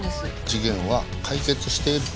事件は解決している。